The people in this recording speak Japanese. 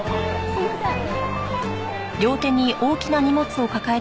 すいません。